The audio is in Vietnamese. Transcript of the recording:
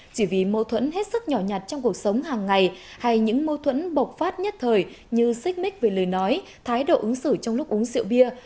chỉ vì mâu thuẫn hết sức nhỏ nhặt trong cuộc sống hàng ngày hay những mâu thuẫn bộc phát nhất thời như xích mích về lời nói thái độ ứng xử trong lúc uống rượu bia